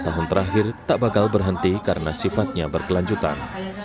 tahun terakhir tak bakal berhenti karena sifatnya berkelanjutan